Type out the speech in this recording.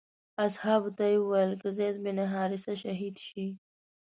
اصحابو ته یې وویل که زید بن حارثه شهید شي.